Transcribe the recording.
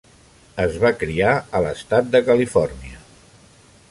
Es va criar en l'estat de Califòrnia.